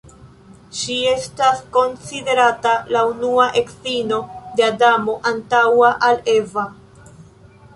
Ŝi estas konsiderata la unua edzino de Adamo, antaŭa al Eva.